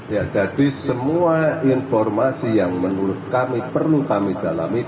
ya jadi semua informasi yang menurut kami perlu kami dalami